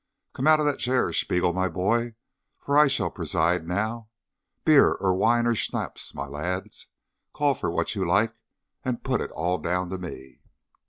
Come out of that chair, Spiegel my boy, for I shall preside now. Beer, or wine, or shnapps, my lads call for what you like, and put it all down to me."